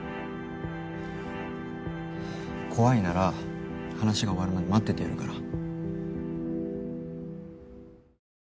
怖いなら話が終わるまで待っててやるから。